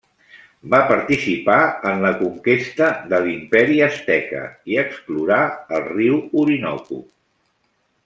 Va participar en la conquesta de l'Imperi asteca i explorà el riu Orinoco.